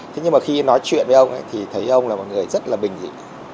thế nhưng mà khi nói chuyện với ông ấy thì thấy ông là một người rất là bình dị